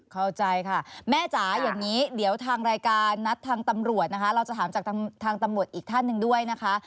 เข้าใจค่ะแม่จ๋าอย่างนี้เดี๋ยวทางรายการนัดทางตำรวจนะคะเราจะถามจากทางตำรวจอีกท่านหนึ่งด้วยนะคะ